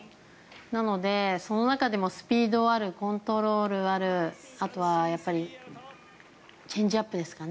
なので、その中でもスピードある、コントロールあるあとはチェンジアップですかね。